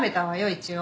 一応。